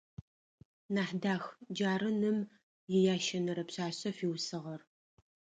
Нахьдах - джары ным иящэнэрэ пшъашъэ фиусыгъэр.